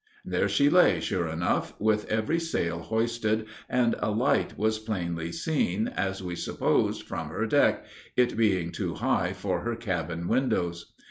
There she lay, sure enough, with every sail hoisted, and a light was plainly seen, as we supposed, from her deck, it being too high for her cabin windows.